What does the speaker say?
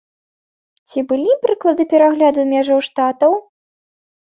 Ці былі прыклады перагляду межаў штатаў?